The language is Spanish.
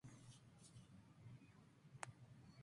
Es hablado por aproximadamente nueve millones de personas.